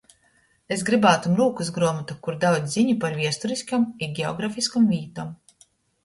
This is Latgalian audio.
Es grybātum rūkysgruomotu, kur daudz ziņu par viesturyskom i geografiskom vītom.